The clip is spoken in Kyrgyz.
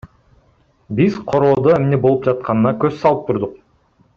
Биз короодо эмне болуп жатканына көз салып турдук.